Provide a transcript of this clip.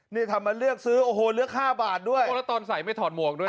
นี่ทำมาเลือกซื้อโอ้โหเลือก๕บาทด้วยโอ้แล้วตอนใส่ไม่ถอดหมวกด้วย